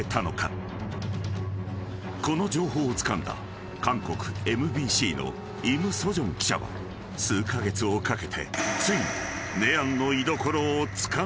［この情報をつかんだ韓国ＭＢＣのイム・ソジョン記者は数カ月をかけてついに］